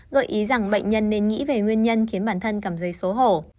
gợi ý rằng bệnh nhân nên nghĩ về nguyên nhân khiến bản thân cảm thấy xấu hổ